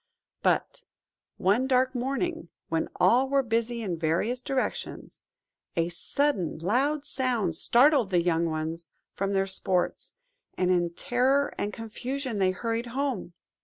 But one dark morning, when all were busy in various directions, a sudden loud sound startled the young ones from their sports, and in terror and confusion they hurried home.